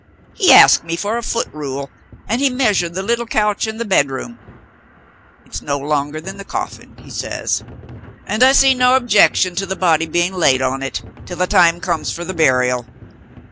He asked me for a foot rule, and he measured the little couch in the bedroom. 'It's no longer than the coffin' (he says); 'and I see no objection to the body being laid on it, till the time comes for the burial.'